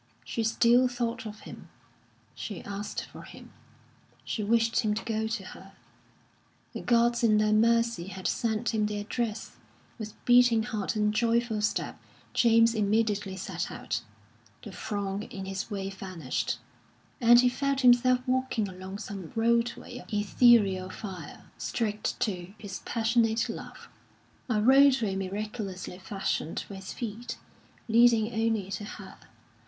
She still thought of him, she asked for him, she wished him to go to her. The gods in their mercy had sent him the address; with beating heart and joyful step, James immediately set out. The throng in his way vanished, and he felt himself walking along some roadway of ethereal fire, straight to his passionate love a roadway miraculously fashioned for his feet, leading only to her.